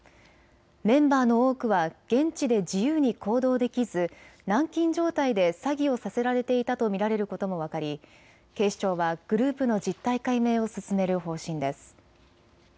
メンバーの多くは現地で自由に行動できず軟禁状態で詐欺をさせられていたと見られることも分かり警視庁はグループの実態解明を進める方針です。